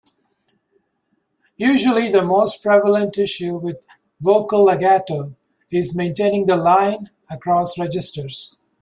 Usually the most prevalent issue with vocal legato is maintaining the "line" across registers.